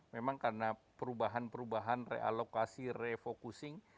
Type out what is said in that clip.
memang karena perubahan perubahan realokasi refocusing